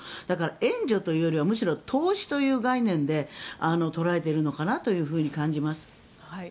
だから、援助というよりはむしろ投資という概念で捉えているのかなと感じます。